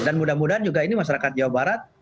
dan mudah mudahan juga ini masyarakat jawa barat